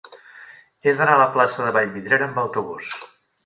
He d'anar a la plaça de Vallvidrera amb autobús.